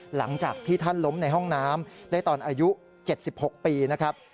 หลังจากที่ท่านล้มในห้องน้ำได้ตอนอายุ๗๖ปีนะครับ